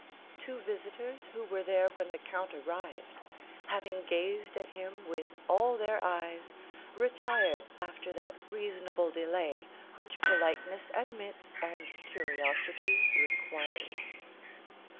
Two visitors who were there when the count arrived, having gazed at him with all their eyes, retired after that reasonable delay which politeness admits and curiosity requires.